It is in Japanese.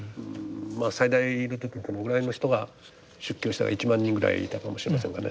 最大の時にどのぐらいの人が出家をしたか１万人ぐらいいたかもしれませんがね。